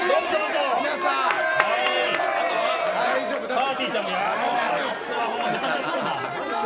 ぱーてぃーちゃんもいる。